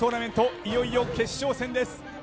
いよいよ決勝戦です。